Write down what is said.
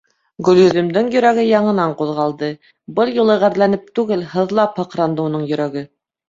Гөлйөҙөмдөң йөрәге яңынан ҡуҙғалды: был юлы ғәрләнеп түгел, һыҙлап һыҡранды уның йөрәге.